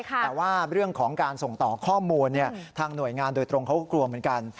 แต่ว่าเรื่องของการส่งต่อข้อมูลทางหน่วยงานโดยตรงเขาก็กลัวเหมือนกัน